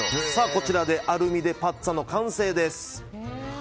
こちらでアルミでパッツァの完成です。